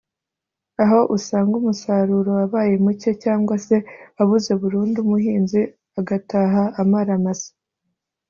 aho usanga umusaruro wabaye muke cyangwa se wabuze burundu umuhinzi agataha amara amasa